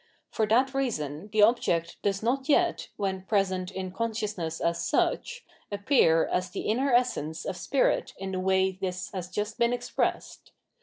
For that reason the object does not yet, when present in consciousness as such, appear as the inner essence of Spirit in the way this has just been expressed.